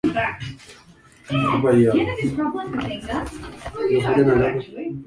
hata hivyo hali imeendelea kama kawaida katika kisiwa hicho